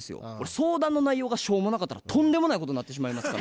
相談の内容がしょうもなかったらとんでもないことになってしまいますから。